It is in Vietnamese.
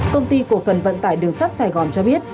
công ty cổ phần vận tải đường sắt sài gòn cho biết